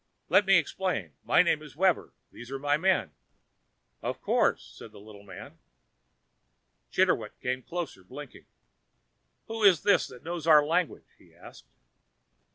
"Let me explain: my name is Webber, these are my men." "Of course," said the little man. Mr. Chitterwick came closer, blinking. "Who is this that knows our language?" he asked.